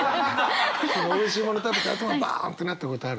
そのおいしいものを食べたあとバンってなったことある？